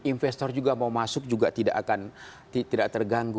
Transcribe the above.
investor juga mau masuk juga tidak akan terganggu